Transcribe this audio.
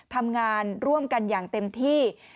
ทำงานร่วมกันอย่างเต็มที่